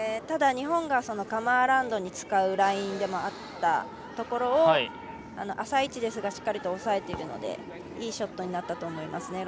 ただ、日本がカム・アラウンドに使うラインでもあったところを浅い位置ですがしっかりと押さえているのでいいショットになったと思います。